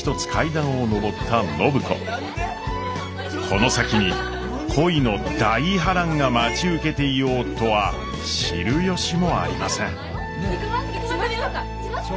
この先に恋の大波乱が待ち受けていようとは知る由もありません。